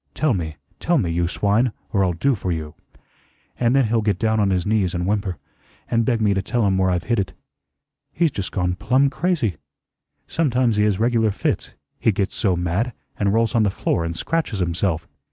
Tell me, tell me, you swine, or I'll do for you.' An' then he'll get down on his knees and whimper, and beg me to tell um where I've hid it. He's just gone plum crazy. Sometimes he has regular fits, he gets so mad, and rolls on the floor and scratches himself."